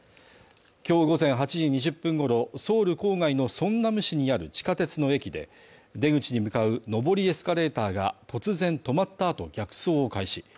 今日午前８時２０分ごろ、ソウル郊外のソンナム市にある地下鉄の駅で出口に向かう上りエスカレーターが突然止まった後、逆走を開始。